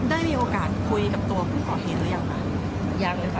ได้มีโอกาสคุยกับตัวพี่ขอเห็นหรือยังคะ